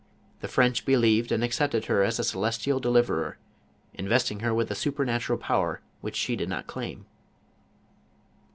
The French believed and accepted her as a celestial deliverer, investing her with a supernatural power which she did not claim.